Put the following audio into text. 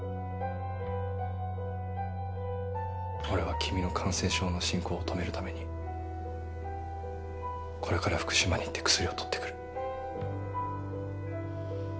俺は君の感染症の進行を止めるためにこれから福島に行って薬を取って来る。